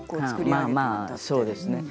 まあまあそうですね。